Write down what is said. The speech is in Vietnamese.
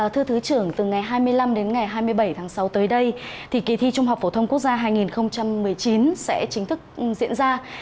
thưa thứ trưởng từ ngày hai mươi năm đến ngày hai mươi bảy tháng sáu tới đây thì kỳ thi trung học phổ thông quốc gia hai nghìn một mươi chín sẽ chính thức diễn ra